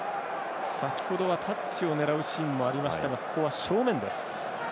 先ほどはタッチを狙うシーンもありましたがここは正面です。